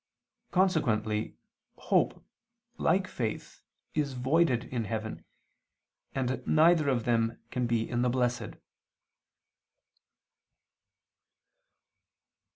Consequently hope, like faith, is voided in heaven, and neither of them can be in the blessed.